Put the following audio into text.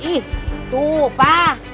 ih tuh pak